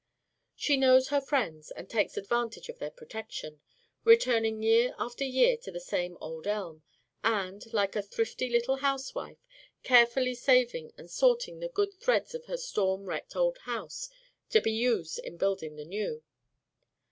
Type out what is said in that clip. She knows her friends and takes advantage of their protection, returning year after year to the same old elm, and, like a thrifty little housewife, carefully saving and sorting the good threads of her storm wrecked old house to be used in building the new.